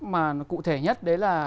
mà cụ thể nhất đấy là